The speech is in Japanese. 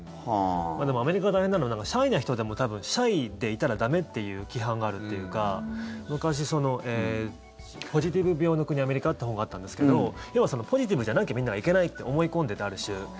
アメリカが大変なのはシャイな人でもシャイでいたら駄目っていう規範があるというか昔「ポジティブ病の国、アメリカ」という本があったんですけどポジティブじゃなきゃみんながいけないと思い込んでてある種。